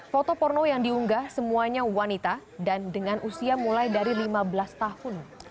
foto porno yang diunggah semuanya wanita dan dengan usia mulai dari lima belas tahun